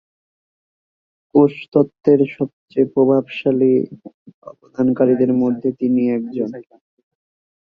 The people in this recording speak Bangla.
কোষ তত্ত্বের সবচেয়ে প্রভাবশালী অবদানকারীদের মধ্যে তিনি একজন।